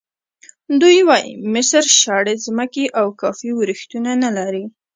دوی وایي مصر شاړې ځمکې او کافي ورښتونه نه لري.